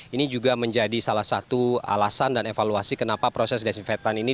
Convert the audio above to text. ini juga menjadi salah satu alasan dan evaluasi kenapa proses desinfektan ini